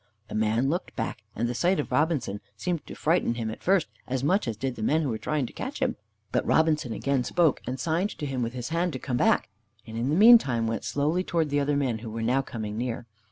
The man looked back, and the sight of Robinson seemed to frighten him at first as much as did the men who were trying to catch him. But Robinson again spoke, and signed to him with his hand to come back, and in the meantime went slowly towards the other men, who were now coming near.